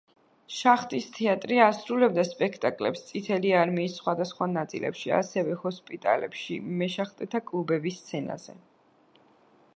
შახტის თეატრი ასრულებდა სპექტაკლებს წითელი არმიის სხვადასხვა ნაწილებში, ასევე ჰოსპიტალებში, მეშახტეთა კლუბების სცენაზე.